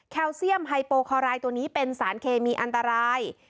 เซียมไฮโปคอรายตัวนี้เป็นสารเคมีอันตราย